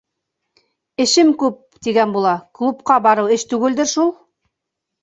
- Эшем күп, тигән була, клубҡа барыу эш түгелдер шул!